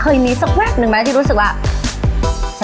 เคยมีสักแไม่ที่รู้สึกว่า